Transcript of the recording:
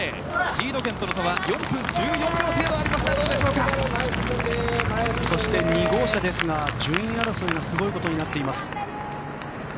シード圏との差は４分１４秒ですがそして２号車ですが順位争いがすごいことになっています。